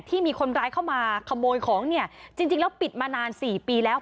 ที่มีคนร้ายเข้ามาขโมยของเนี่ยจริงแล้วปิดมานานสี่ปีแล้ว